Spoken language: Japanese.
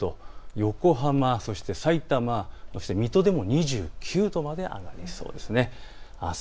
横浜、そしてさいたま、水戸でも２９度まで上がりそうです。